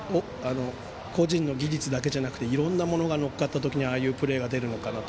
個人の技術だけじゃなくていろんなことが乗っかってああいうプレーが出るのかなと。